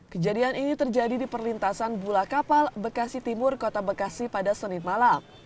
kejadian ini terjadi di perlintasan bula kapal bekasi timur kota bekasi pada senin malam